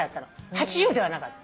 ８０ではなかった。